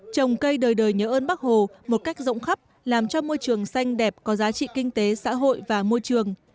trồng cây đời đời nhớ ơn bác hồ một cách rộng khắp làm cho môi trường xanh đẹp có giá trị kinh tế xã hội và môi trường